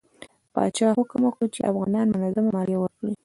پادشاه حکم وکړ چې افغانان منظمه مالیه ورکړي.